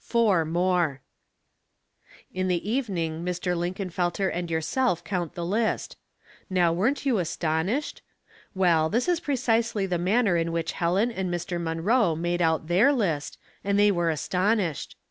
Four more 1 " In the evening Mr. Linkenfelter and yourself 164 Household Puzzles, count the list. Now weren't you astonished? Well, this is precisely the manner in which Helen and Mr. Munroe made out their list, and they were astonished.